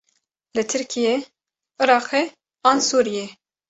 Li Tirkiyê, Iraqê an Sûriyê?